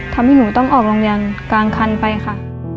ทำให้หนูต้องออกโรงเรียนกลางคันไปค่ะ